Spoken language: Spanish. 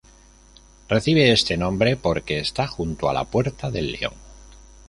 Recibe este nombre porque está junto a la puerta del León.